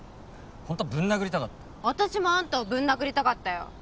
ホントはぶん殴りたかった私もあんたをぶん殴りたかったよ